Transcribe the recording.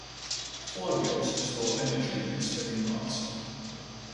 Flywheels store energy in a spinning mass.